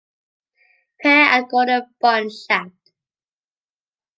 Pei and Gordon Bunshaft.